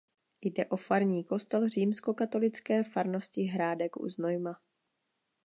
Jde o farní kostel římskokatolické farnosti Hrádek u Znojma.